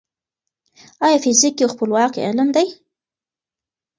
ايا فزيک يو خپلواک علم دی؟